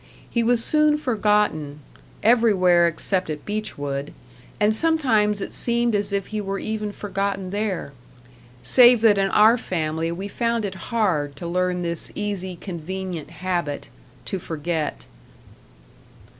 He was soon forgotten everywhere except at Beechwood; and sometimes it seemed as if he were even forgotten there. Save that in our family we found it hard to learn this easy, convenient habit to forget.